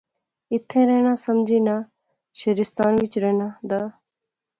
ایتھیں رہنا سمجھی ہنا شعرستان وچ رہنا دا